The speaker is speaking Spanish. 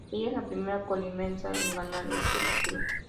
Ella es la primera Colimense en ganar este título.